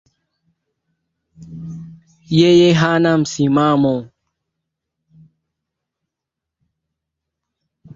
Yeye hana msimamo